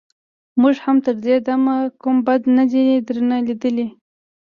موږ هم تر دې دمه کوم بد نه دي درنه ليدلي.